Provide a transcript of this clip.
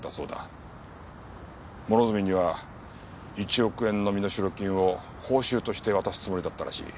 諸角には１億円の身代金を報酬として渡すつもりだったらしい。